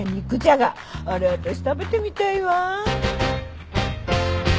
あれ私食べてみたいわ。